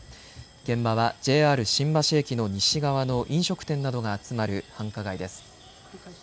現場はＪＲ新橋駅の西側の飲食店などが集まる繁華街です。